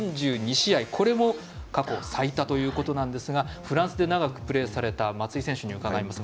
これも過去最多ということなんですがフランスで長くプレーされた松井選手に伺います。